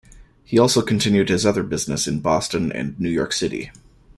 He also continued his other business in Boston and New York City.